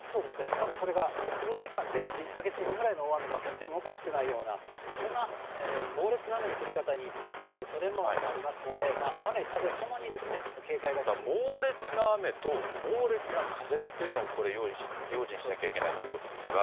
しかもそれが、もう数時間で１か月分ぐらいの大雨が降ってもおかしくないような、そんな猛烈な雨の降り方になるおそれもありますので、雨、猛烈な雨と、猛烈な風というのをこれ、用心しなきゃいけないということですが。